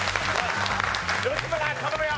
吉村頼むよ！